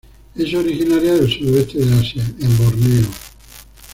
Es originaria del sudoeste de Asia en Borneo.